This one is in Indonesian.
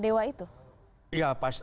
dewa itu ya